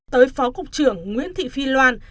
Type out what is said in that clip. tới phó cục trưởng nguyễn thị phi loan